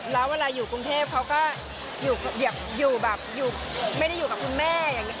แล้วเวลาอยู่กรุงเทพเขาก็อยู่แบบไม่ได้อยู่กับคุณแม่อย่างนี้